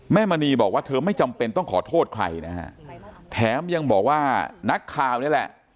มณีบอกว่าเธอไม่จำเป็นต้องขอโทษใครนะฮะแถมยังบอกว่านักข่าวนี่แหละ